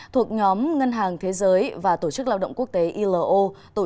thuộc nhóm ngân hàng thế giới và tổ chức lao động quốc tế ilo